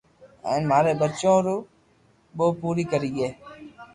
ھين ماري ٻچو ري بو پوري ڪروي